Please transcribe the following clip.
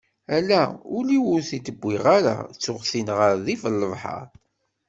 Ala ul-iw ur t-id-wwiγ ara, ttuγ-t-in γef rrif n lebḥeṛ.